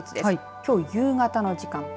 きょう夕方の時間帯。